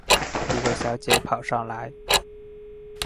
一个小姐跑上来